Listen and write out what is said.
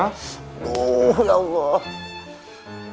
tuh ya allah